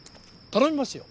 頼みますよ。